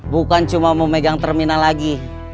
bukan cuma mau pegang terminal lagi